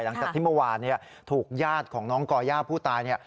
หลังจากที่เมื่อวานถูกญาติของน้องก่อย่าผู้ตาย